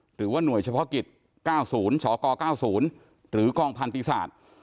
หรือว่าหน่วยเฉพาะกิจ๙๐เฉาะก๙๐หรือกล้องพันธุ์ปีศาสตร์